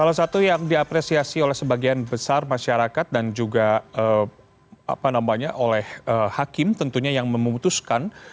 salah satu yang diapresiasi oleh sebagian besar masyarakat dan juga oleh hakim tentunya yang memutuskan